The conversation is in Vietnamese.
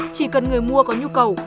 chỉ cần người mua có nhu cầu